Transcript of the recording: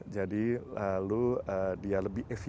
jadi lalu dia lebih efektif